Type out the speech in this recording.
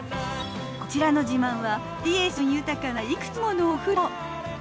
こちらの自慢はバリエーション豊かないくつものお風呂。